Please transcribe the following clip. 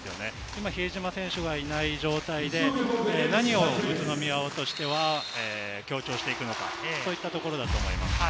今、比江島選手がいない状態で、何を宇都宮としては強調していくのか、そういったところだと思います。